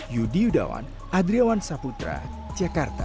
yudi yudawan adriawan saputra jakarta